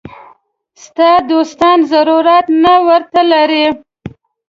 ستا دوستان ضرورت نه ورته لري.